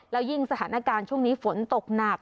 แล้วยิ่งสถานการณ์ช่วงนี้ฝนตกหนัก